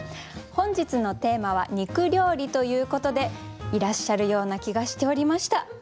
本日のテーマは「肉料理」ということでいらっしゃるような気がしておりました。